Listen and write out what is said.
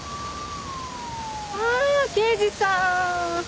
ああ刑事さん。